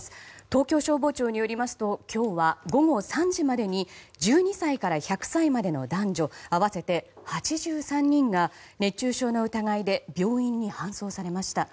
東京消防庁によりますと今日は午後３時までに１２歳から１００歳の男女合わせて８３人が熱中症の疑いで病院に搬送されました。